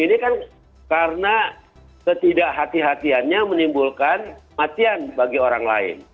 ini kan karena ketidakhatian hatiannya menimbulkan matian bagi orang lain